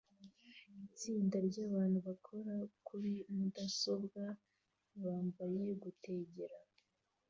Itsinda ryabantu bakora kuri mudasobwa bambaye gutegera